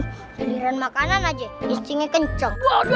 kelihatan makanan aja istrinya kenceng